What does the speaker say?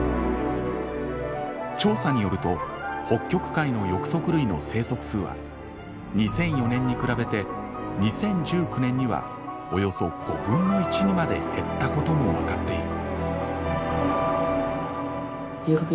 調査によると北極海の翼足類の生息数は２００４年に比べて２０１９年にはおよそ５分の１にまで減ったことも分かっている。